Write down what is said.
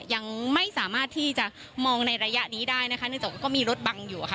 ยังไม่สามารถที่จะมองในระยะนี้ได้นะคะเนื่องจากว่าก็มีรถบังอยู่ค่ะ